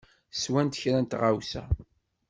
Swemt kra n tɣawsa.